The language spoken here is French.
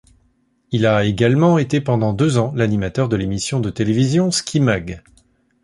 Il a également été pendant deux ans l'animateur de l'émission de télévision Ski Mag.